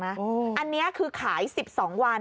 อันนี้คือขาย๑๒วัน